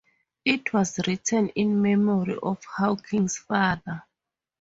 It was written in memory of Hawkins' father.